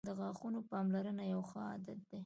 • د غاښونو پاملرنه یو ښه عادت دی.